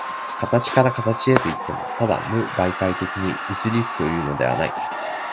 形から形へといっても、ただ無媒介的に移り行くというのではない。